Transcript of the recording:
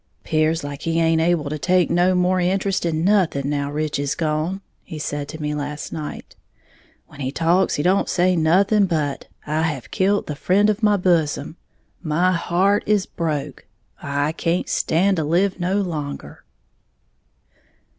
"'Pears like he haint able to take no more interest in nothing, now Rich is gone," he said to me last night; "when he talks he don't say nothing but 'I have killed the friend of my bosom, my heart is broke, I can't stand to live no longer.'"